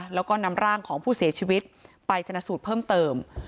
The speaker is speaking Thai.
แล้วก็นำร่างของผู้เสียชีวิตไปชนะสูตรเพิ่มเติม